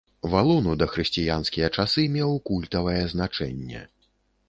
Валун у дахрысціянскія часы меў культавае значэнне.